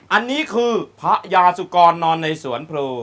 อันนี้คือทหัศกรณ์นอนในสวรรค์